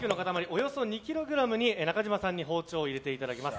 およそ２ｋｇに中島さんに包丁を入れていただきます。